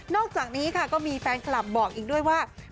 อกจากนี้ค่ะก็มีแฟนคลับบอกอีกด้วยว่า